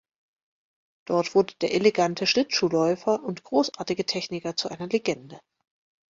Dort wurde der elegante Schlittschuhläufer und großartige Techniker zu einer Legende.